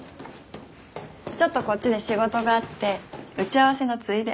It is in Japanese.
ちょっとこっちで仕事があって打ち合わせのついで。